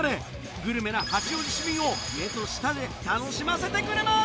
グルメな八王子市民を目と舌で楽しませてくれます。